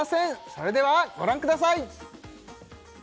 それではご覧ください